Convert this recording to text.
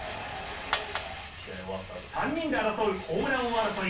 ３人で争うホームラン王争い。